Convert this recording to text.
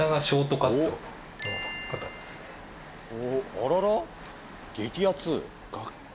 あらら激アツ。